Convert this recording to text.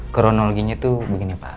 koronologinya tuh begini pak